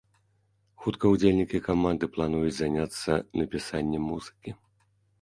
Хутка удзельнікі каманды плануюць заняцца напісаннем музыкі.